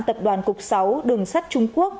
tập đoàn cục sáu đường sắt trung quốc